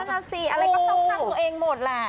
นั่นน่ะสิอะไรก็ต้องฟังตัวเองหมดแหละ